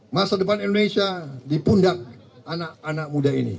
masa depan indonesia dipundak anak anak muda ini